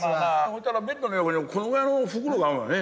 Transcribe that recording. ベッドの横にこのぐらいの袋があるのよね。